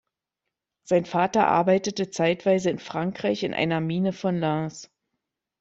Sein Vater arbeitete zeitweise in Frankreich in einer Mine von Lens.